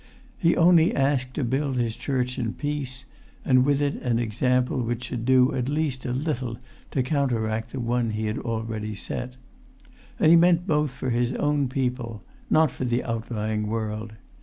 He only asked to build his church in peace, and with it an example which should do at least a little to counteract the one he had already set; and he meant both for his own people, not for the outlying world.